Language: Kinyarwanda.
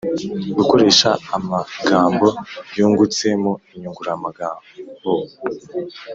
Gukoresha amagambo yungutse mu Inyunguramagabo